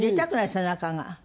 背中が。